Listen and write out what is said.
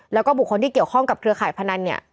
แล้วก็บุคคลที่เกี่ยวข้องกับเครือข่ายพนันเนี่ย